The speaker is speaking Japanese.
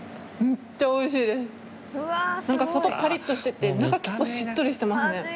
何か外パリっとしてて中結構しっとりしてますね。